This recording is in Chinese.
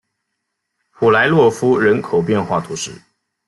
普莱洛夫人口变化图示